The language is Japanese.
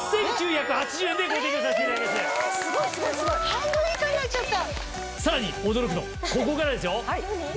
半分以下になっちゃった！